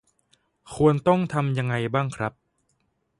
ควรต้องทำยังไงบ้างครับ?